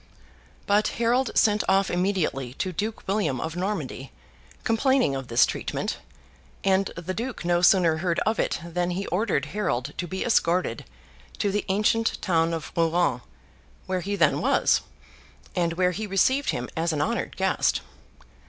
But Harold sent off immediately to Duke William of Normandy, complaining of this treatment; and the Duke no sooner heard of it than he ordered Harold to be escorted to the ancient town of Rouen, where he then was, and where he received him as an honoured guest.